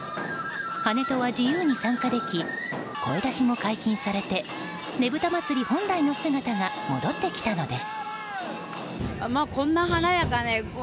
跳人は自由に参加でき声出しも解禁されてねぶた祭本来の姿が戻ってきたのです。